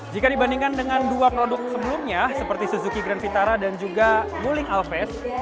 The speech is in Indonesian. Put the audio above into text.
jika dibandingkan dengan dua produk sebelumnya seperti suzuki grand vitara dan juga wuling alves